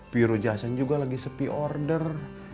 pirojahsen juga lagi sepi order